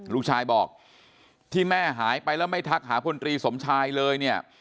ลูกชายบอกที่แม่หายไปแล้วไม่ทักหาพลตรีสมชายเลยเนี่ย